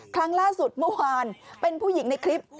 ครั้งล่าสุดเมื่อวานเป็นผู้หญิงในคลิป